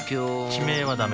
地名はダメ